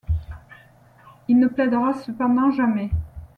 Il ne plaidera cependant jamais.